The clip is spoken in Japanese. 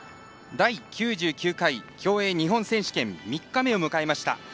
第９９回競泳日本選手権３日目を迎えました。